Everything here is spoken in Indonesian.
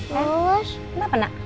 ken kenapa nak